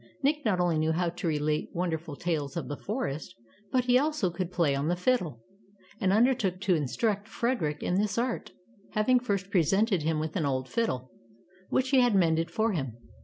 Nick not only knew how to relate wonder ful tales of the forest, but he also could play on the fiddle, and undertook to instruct Frederick in this art, having first presented Tales of Modem Germany 77 him with an old fiddle, which he had mended for him.